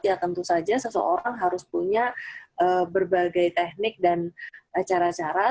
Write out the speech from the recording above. ya tentu saja seseorang harus punya berbagai teknik dan cara cara